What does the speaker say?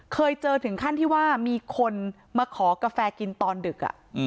เคยเจอถึงขั้นที่ว่ามีคนมาขอกาแฟกินตอนดึก